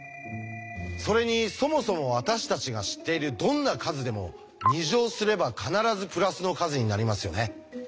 それにそもそも私たちが知っているどんな数でも２乗すれば必ずプラスの数になりますよね。